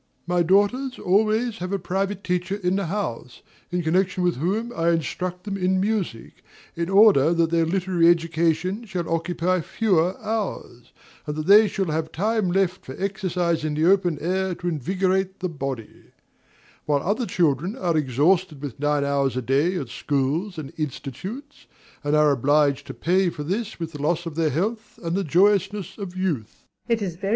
My daughters always have a private teacher in the house, in connection with whom I instruct them in music, in order that their literary education shall occupy fewer hours, and that they shall have time left for exercise in the open air to invigorate the body; while other children are exhausted with nine hours a day at schools and institutes, and are obliged to pay for this with the loss of their health and the joyousness of youth.